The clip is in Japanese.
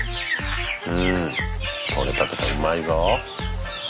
うんとれたてだうまいぞ。